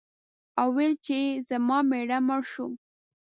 او ویل یې چې زما مېړه مړ شو.